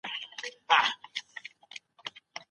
د مسلمان ورور د بلنې منل څه ارزښت لري؟